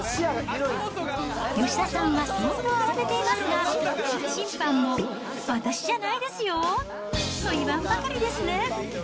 吉田さんは相当慌てていますが、審判も私じゃないですよと言わんばかりですね。